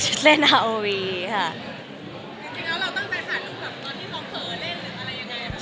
จริงแล้วเราตั้งใจหาลูกภาพตอนที่พอเผลอเล่น